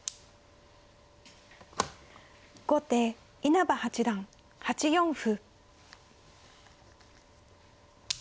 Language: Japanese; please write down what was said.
後手稲葉八段８四歩。